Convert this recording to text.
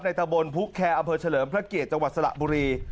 ในตะบนพุคแคร์อเภอเฉลิมพระเกียจังหวัดสละบุรี